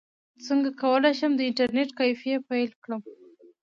څنګه کولی شم د انټرنیټ کیفې پیل کړم